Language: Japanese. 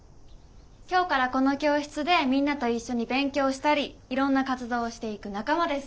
今日からこの教室でみんなと一緒に勉強したりいろんな活動をしていく仲間です。